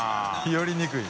寄りにくい。